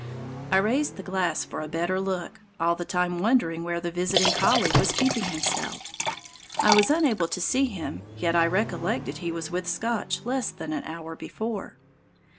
I raised the glass for a better look, all the time wondering where the visiting collie was keeping himself. I was unable to see him, yet I recollected he was with Scotch less than an hour before.